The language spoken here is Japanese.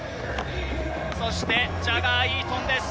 そしてジャガー・イートンです。